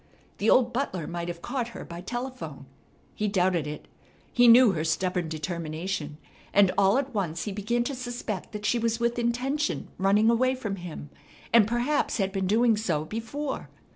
The old butler might have caught her by telephone. He doubted it. He knew her stubborn determination, and all at once he began to suspect that she was with intention running away from him, and perhaps had been doing so before!